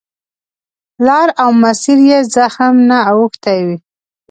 لار او مسیر یې زخم نه اوښتی وي.